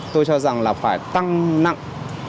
tôi cho rằng là phải tăng nặng